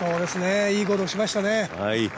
いいゴルフをしましたね。